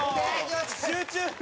集中！